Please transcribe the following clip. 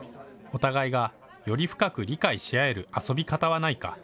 お互いが、より深く理解し合える遊び方はないか。